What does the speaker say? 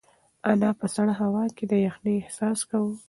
انا په سړه هوا کې د یخنۍ احساس کاوه.